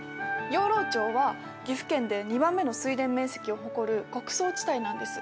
養老町は岐阜県で２番目の水田面積を誇る穀倉地帯なんです。